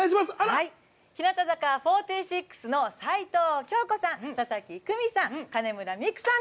日向坂４６の齊藤京子さん佐々木久美さん